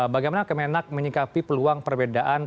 bagaimana kemenak menyikapi peluang perbedaan